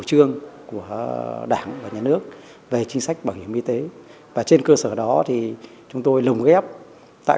trương của đảng và nhà nước về chính sách bảo hiểm y tế và trên cơ sở đó thì chúng tôi lồng ghép tại